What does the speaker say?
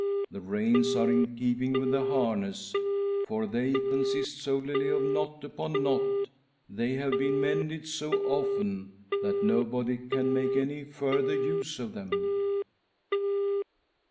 The reins are in keeping with the harness, for they consist solely of knot upon knot — they have been mended so often that nobody can make any "further use of them."